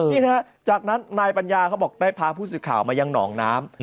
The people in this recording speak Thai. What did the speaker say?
นี่นะฮะจากนั้นนายปัญญาเขาบอกได้พาผู้สื่อข่าวมายังหนองน้ำ